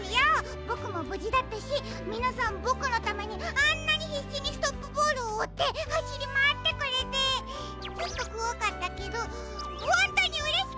ボクもぶじだったしみなさんボクのためにあんなにひっしにストップボールをおってはしりまわってくれてちょっとこわかったけどほんとにうれしかったです！